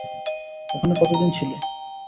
ওখানে কতদিন ছিলে?